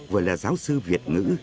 vừa là giáo sư việt ngữ